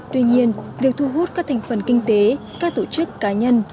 tuy nhiên việc thu hút các thành phần kinh tế các tổ chức cá nhân